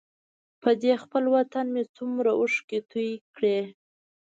په دې خپل وطن مې څومره اوښکې توی کړې.